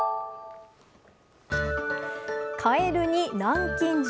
カエルに南京錠。